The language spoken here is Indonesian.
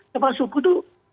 kepala suku itu